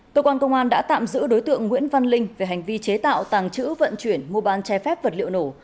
cơ quan công an đã tạm giữ đối tượng nguyễn văn linh về hành vi chế tạo tàng trữ vận chuyển mua bán che phép vật liệu nổ